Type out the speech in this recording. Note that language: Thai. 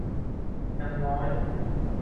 ยังน้อย